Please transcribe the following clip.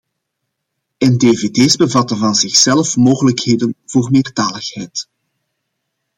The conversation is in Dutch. En dvd’s bevatten van zichzelf mogelijkheden voor meertaligheid.